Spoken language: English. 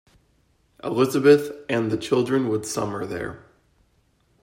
Elizabeth and the children would summer there.